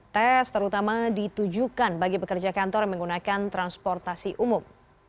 tes terutama ditujukan bagi pekerja kantor yang menggunakan transportasi umum